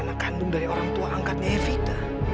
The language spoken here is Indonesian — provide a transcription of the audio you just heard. anak kandung dari orang tua angkatnya evita